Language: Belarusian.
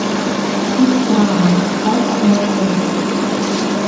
Іх права, хай абмяркоўваюць.